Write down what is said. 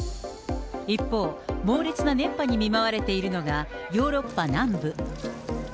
一方、猛烈な熱波に見舞われているのが、ヨーロッパ南部。